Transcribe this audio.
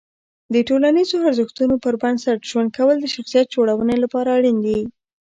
د ټولنیزو ارزښتونو پر بنسټ ژوند کول د شخصیت جوړونې لپاره اړین دي.